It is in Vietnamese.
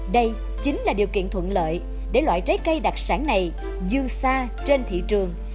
đây chính là điều kiện thuận lợi để loại trái cây đặc sản này dương xa trên thị trường